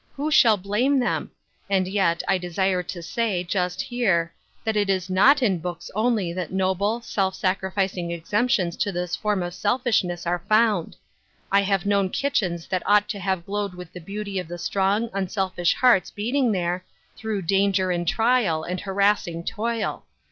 Who (shall blame them? And yet, I desire to say, ijust here, that it is not in books only that noble, i^elf sacrificing exceptions to this form of selfish ]riess are found ; I have known kitchens that ought to have glowed with the beauty of the strong, unselfish hearts beating there, through danger, and trial, and harassing toil.